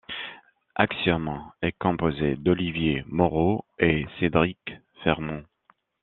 Axiome est composé d'Olivier Moreau & C-drik Fermont.